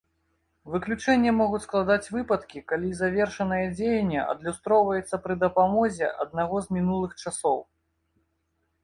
Выключэнне могуць складаць выпадкі, калі завершанае дзеянне адлюстроўваецца пры дапамозе аднаго з мінулых часоў.